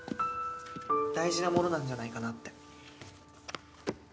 大事なものなんじゃないかなって。